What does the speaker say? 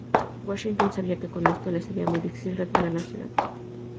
Washington sabía que con esto le sería muy difícil retener la ciudad.